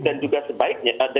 dan juga sebaiknya